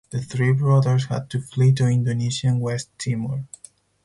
The three brothers had to flee to Indonesian West Timor.